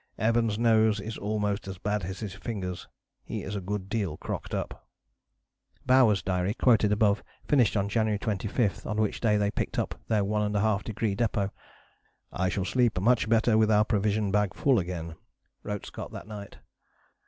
"Evans' nose is almost as bad as his fingers. He is a good deal crocked up." Bowers' diary, quoted above, finished on January 25, on which day they picked up their One and a Half Degree Depôt. "I shall sleep much better with our provision bag full again," wrote Scott that night.